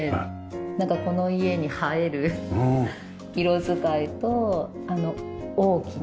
なんかこの家に映える色使いと大きなサイズで。